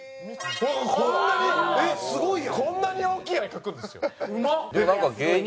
こんなにこんなに大きい絵描くんですよ。